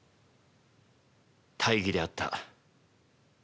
大儀であった。